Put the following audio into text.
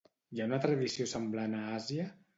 Hi ha una tradició semblant a Àsia?